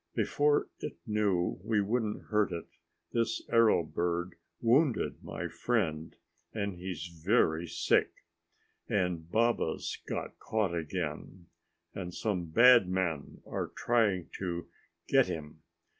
Before it knew we wouldn't hurt it, this arrow bird wounded my friend and he's very sick. And Baba's got caught again, and some bad men are trying to get him.